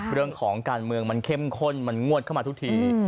เรื่องของการเมืองมันเข้มข้นมันงวดเข้ามาทุกที